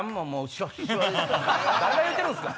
誰が言うてるんすか！